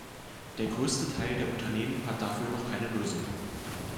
Der größte Teil der Unternehmen hat dafür noch keine Lösung.